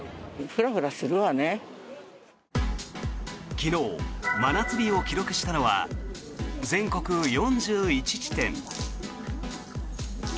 昨日、真夏日を記録したのは全国４１地点。